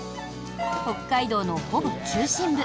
北海道のほぼ中心部